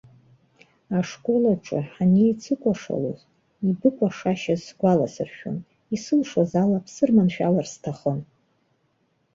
Ашкол аҿы ҳанеицыкәашалоз, ибыкәашашьаз сгәаласыршәон, исылшоз ала, бсырманшәалар сҭахын.